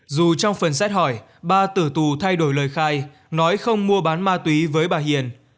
dù trong phần xét hỏi bà tử tù thay đổi lời khai nói không mua bán ma túy với bà hiền